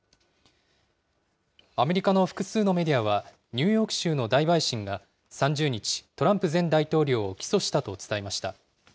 アメリカの複数のメディアは、ニューヨーク州の大陪審が３０日、トランプ前大統領を起訴したと伝えました。